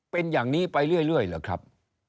เป็นอย่างนี้ไปเรื่อยหรือครับ